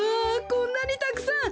こんなにたくさん！